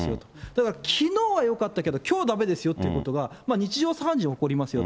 だからきのうはよかったけど、きょうはだめですよということが、日常茶飯事に起こりますよ。